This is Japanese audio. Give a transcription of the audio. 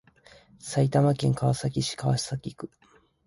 埼玉県川崎市川崎区